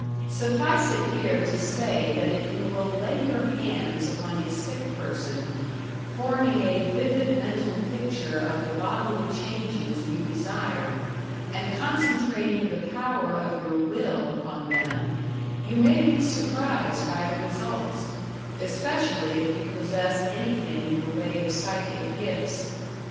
Suffice it here to say that if you will lay your hands upon a sick person, forming a vivid mental picture of the bodily changes you desire, and concentrating the power of your will upon them, you may be surprised by the results, especially if you possess anything in the way of psychic gifts.